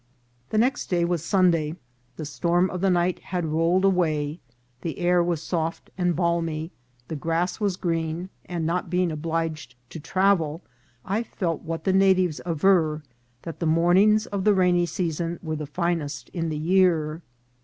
The next day was Sunday ; the storm of the night had rolled away, the air was soft and balmy, the grass was green, and, not being obliged to travel, I felt what the natives aver, that the mornings of the rainy season were the finest in the year.